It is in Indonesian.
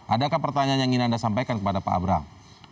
adakah pertanyaan yang ingin anda sampaikan kepada pak abraham